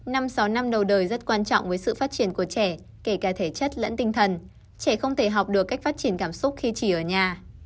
năm sáu năm đầu đời rất quan trọng với sự phát triển của trẻ kể cả thể chất lẫn tinh thần trẻ không thể học được cách phát triển cảm xúc khi chỉ ở nhà